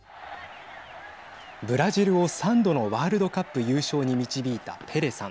ブラジルを３度のワールドカップ優勝に導いたペレさん。